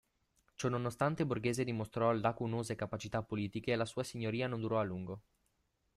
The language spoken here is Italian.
Ciononostante Borghese dimostrò lacunose capacità politiche e la sua signoria non durò a lungo.